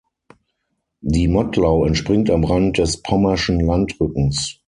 Die Mottlau entspringt am Rand des Pommerschen Landrückens.